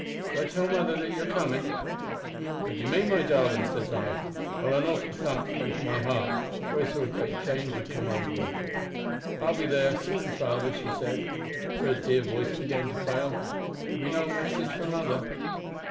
Shall I tell mother that you're comin'?' "`What d'ye mean, my darlin'?' says I, while an awful thump came to my heart, for I saw a great change come over her. "`I'll be there soon, father,' she said, as her dear voice began to fail; `have you no message for mother?'